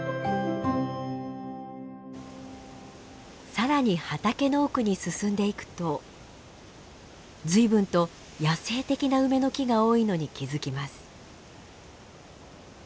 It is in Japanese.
更に畑の奥に進んでいくと随分と野生的な梅の木が多いのに気付きます。